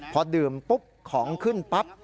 พอดื่มปุ๊บของขึ้นปั๊บ